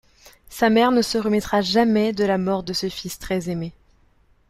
Sa mère ne se remettra jamais de la mort de ce fils très aimé.